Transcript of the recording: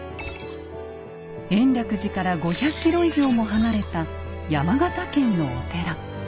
延暦寺から５００ｋｍ以上も離れた山形県のお寺。